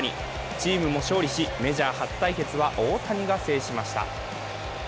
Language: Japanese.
チームも勝利し、メジャー初対決は大谷が制しました。